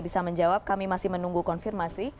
bisa menjawab kami masih menunggu konfirmasi